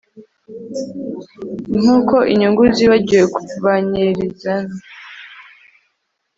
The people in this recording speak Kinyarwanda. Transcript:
Nkuko inyungu zibagiwe banyirazon